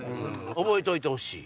覚えといてほしい。